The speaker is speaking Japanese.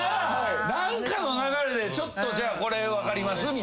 何かの流れでちょっとじゃあこれ分かります？みたいな。